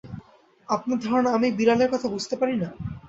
আপনার ধারণা আমি বিড়ালের কথা বুঝতে পারি না?